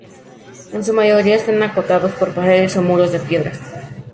En su mayoría, están acotados por paredes o muros de piedras.